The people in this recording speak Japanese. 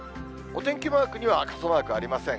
お天気マークには傘マークありません。